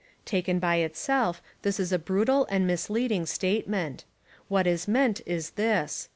Taken by itself this is a brutal and misleading statement. What is meant is this.